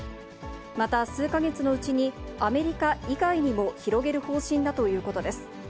また、数か月のうちにアメリカ以外にも広げる方針だということです。